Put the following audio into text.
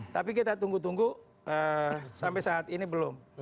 tapi kita tunggu tunggu sampai saat ini belum